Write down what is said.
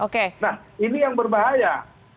nah ini yang berbahaya